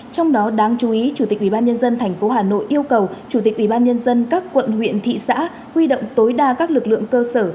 trong đó đáng chú ý chủ tịch ubnd tp hà nội yêu cầu chủ tịch ubnd các quận huyện thị xã huy động tối đa các lực lượng cơ sở